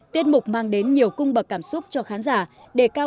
tiết mục mang đến nhiều cung bậc cảm xúc cho khán giả